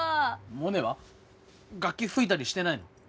モネは楽器吹いたりしてないの？